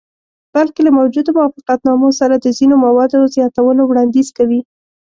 بلکې له موجودو موافقتنامو سره د ځینو موادو زیاتولو وړاندیز کوي.